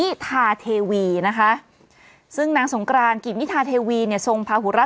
มิถาเทวีนะคะซึ่งนางสงกรานกิมมิถาเทวีเนี่ย